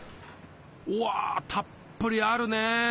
うわたっぷりあるね。